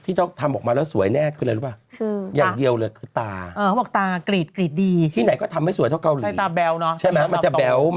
ที่เขาทำออกมาแล้วสวยแน่คืออะไรรึเป